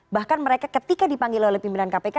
bahkan mereka ketika dipanggil oleh pimpinan kpk